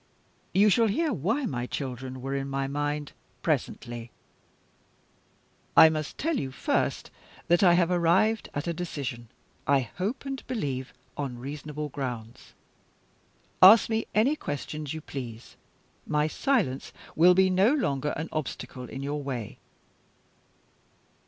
You shall hear why my children were in my mind, presently. I must tell you first that I have arrived at a decision; I hope and believe on reasonable grounds. Ask me any questions you please; my silence will be no longer an obstacle in your way."